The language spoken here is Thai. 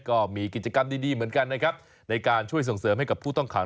ก็มีกิจกรรมดีเหมือนกันนะครับในการช่วยส่งเสริมให้กับผู้ต้องขัง